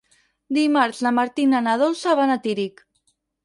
Dimarts na Martina i na Dolça van a Tírig.